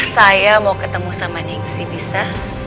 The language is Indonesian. saya mau ketemu sama nixi bisa